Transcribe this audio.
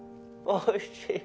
おいしい！